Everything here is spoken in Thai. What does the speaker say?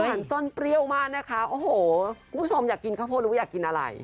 เห็นส้นเปรี้ยวมากนะคะโอ้โหคุณผู้ชมอยากกินข้าวโพดรู้ว่าอยากกินอะไร